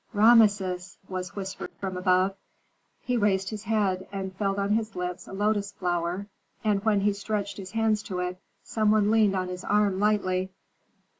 "Rameses!" was whispered from above. He raised his head, and felt on his lips a lotus flower; and when he stretched his hands to it some one leaned on his arm lightly.